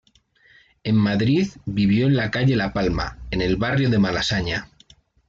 En Madrid, vivió en la calle de la Palma, en el barrio de Malasaña.